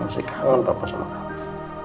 masih kangen papa sama kamu